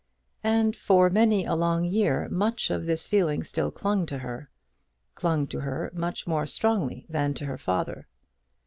And for many a long year much of this feeling clung to her; clung to her much more strongly than to her father.